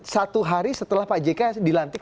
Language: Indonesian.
satu hari setelah pak jk dilantik